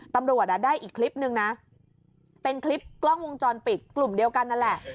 ตำรวจได้อีกคลิปนึงนะเป็นคลิปกล้องวงจรปิดกลุ่มเดียวกันนั่นแหละ